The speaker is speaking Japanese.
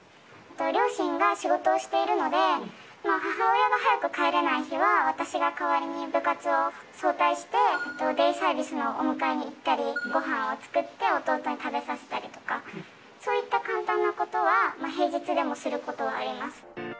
両親が仕事をしているので、母親が早く帰れない日は私が代わりに部活を早退して、デイサービスのお迎えに行ったり、ごはんを作って、弟に食べさせたりとか、そういった簡単なことは平日でもすることはあります。